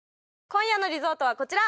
今夜のリゾートはこちら！